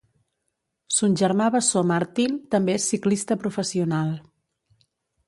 Son germà bessó Martin també és ciclista professional.